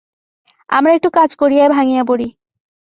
আমরা একটু কাজ করিয়াই ভাঙিয়া পড়ি।